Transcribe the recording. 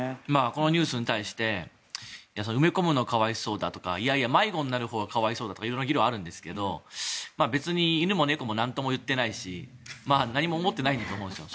このニュースに対して埋め込むのは可哀想だとかいやいや迷子になるほうが可哀想だとか色々な議論がありますが別に犬も猫もなんとも言ってないし何も思ってないと思うんですよ。